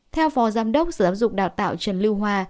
theo phó giám đốc sở giáo dục đào tạo trần lưu hoa